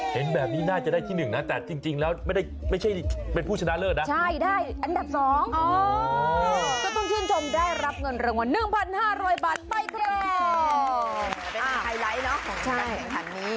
เพื่อนเราก็ได้หลังว่า๑๕๐๐บาทเป็นไฮไลท์เนอะของพุทันแห่งทันนี้